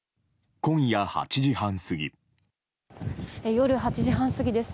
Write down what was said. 夜８時半過ぎです。